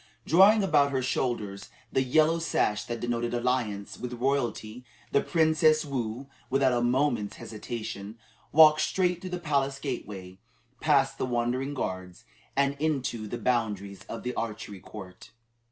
Drawing about her shoulders the yellow sash that denoted alliance with royalty, the Princess Woo, without a moment's hesitation, walked straight through the palace gateway, past the wondering guards, and into the boundaries of the archery court.